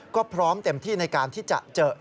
ก็พร้อมเต็มที่ในการที่จะเจอ